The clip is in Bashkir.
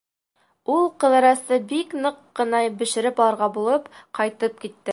Ул, Ҡыҙырасты бик ныҡ ҡына бешереп алырға булып, ҡайтып китте.